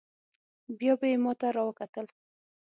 بيا به يې ما ته راوکتل.